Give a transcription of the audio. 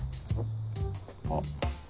あっ。